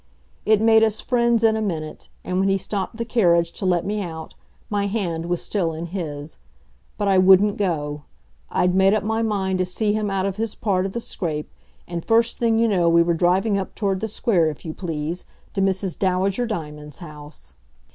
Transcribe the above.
It made us friends in a minute, and when he stopped the carriage to let me out, my hand was still in his. But I wouldn't go. I'd made up my mind to see him out of his part of the scrape, and first thing you know we were driving up toward the Square, if you please, to Mrs. Dowager Diamonds' house.